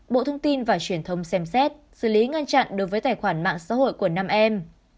bộ thông tin và truyền thông xem xét xử lý ngăn chặn đối với tài khoản mạng xã hội của năm em